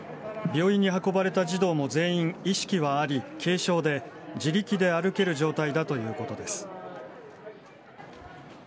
病院に運ばれた児童も全員、意識はあり、軽症で、自力で歩ける状態だということです。